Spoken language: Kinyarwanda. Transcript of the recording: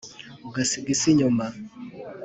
ugasiga isi inyuma